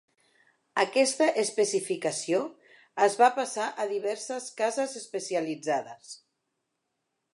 Aquesta especificació es va passar a diverses cases especialitzades.